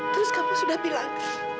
terus kamu sudah bilang